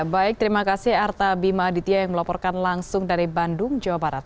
baik terima kasih arta bima aditya yang melaporkan langsung dari bandung jawa barat